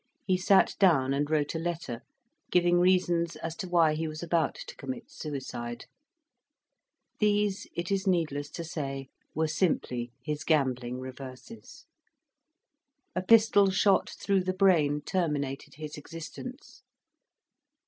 he sat down and wrote a letter, giving reasons as to why he was about to commit suicide: these, it is needless to say, were simply his gambling reverses. A pistol shot through the brain terminated his existence.